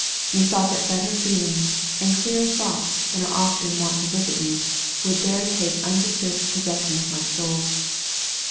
Methought that better feelings, and clearer thoughts than are often wont to visit me, would there take undisturbed possession of my soul.